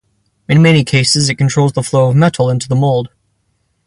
In many cases it controls the flow of metal into the mold.